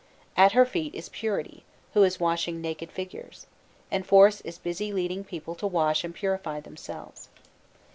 At her feet is Purity, who is washing naked figures; and Force is busy leading people to wash and purify themselves.